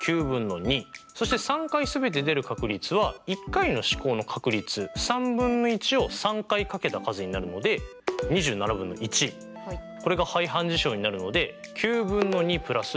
そして３回全て出る確率は１回の試行の確率３分の１を３回掛けた数になるので２７分の１。これが排反事象になるので大正解です！